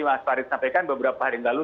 mas farid sampaikan beberapa hari yang lalu